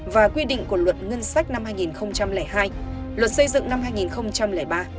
và quy định của luật ngân sách năm hai nghìn hai luật xây dựng năm hai nghìn ba